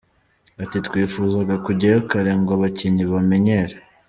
Ati” Twifuzaga kujyayo kare ngo abakinnyi bamenyere.